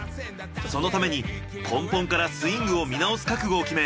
そのために根本からスイングを見直す覚悟を決め